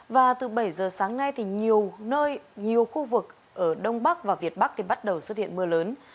và từ bảy giờ sáng nay thì nhiều nơi nhiều khu vực ở đông bắc và việt bắc thì bắt đầu xuất hiện mưa lớn